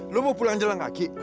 lo mau pulang jalan kaki